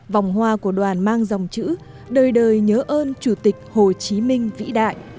vòng hoa của đoàn mang dòng chữ đời đời nhớ ơn chủ tịch hồ chí minh vĩ đại